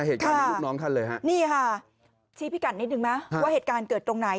เหตุการณ์นี้ลูกน้องท่านเลยฮะนี่ค่ะชี้พิกัดนิดนึงไหมว่าเหตุการณ์เกิดตรงไหน